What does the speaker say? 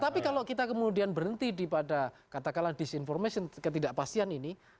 tapi kalau kita kemudian berhenti di pada katakanlah disinformation ketidakpastian ini